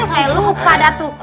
eh saya lupa datuk